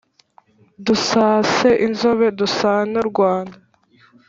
dusase inzobe dusane urwanda